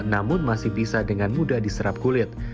namun masih bisa dengan mudah diserap kulit